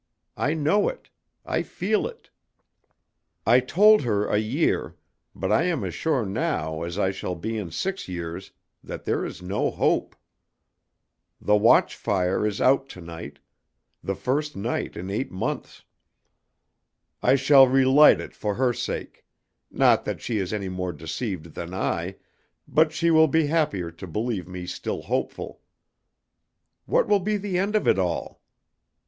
I know it; I feel it. I told her a year, but I am as sure now as I shall be in six years, that there is no hope. The watch fire is out to night, the first night in eight months. I shall re light it for her sake; not that she is any more deceived than I, but she will be happier to believe me still hopeful. What will be the end of it all?